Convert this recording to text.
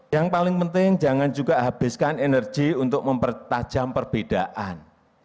yang paling penting jangan juga habiskan energi untuk mempertajam perbedaan